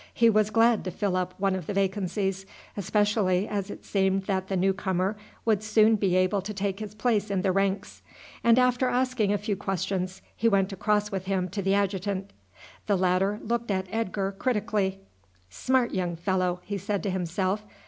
He was glad to fill up one of the vacancies, especially as it seemed that the new comer would soon be able to take his place in the ranks; and after asking a few questions he went across with him to the adjutant. The latter looked at Edgar critically. "Smart young fellow," he said to himself.